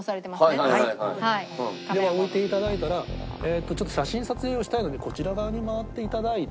では置いていただいたらちょっと写真撮影をしたいのでこちら側に回っていただいて。